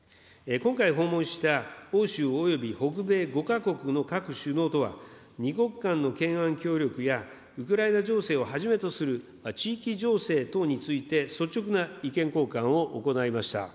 今回、訪問した欧州および北米５か国の各首脳とは、２国間の懸案協力や、ウクライナ情勢をはじめとする地域情勢等について、率直な意見交換を行いました。